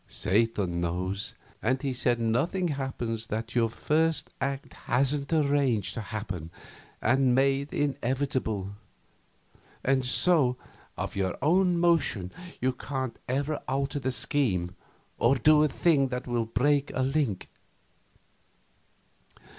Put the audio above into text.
Satan knows, and he said nothing happens that your first act hasn't arranged to happen and made inevitable; and so, of your own motion you can't ever alter the scheme or do a thing that will break a link.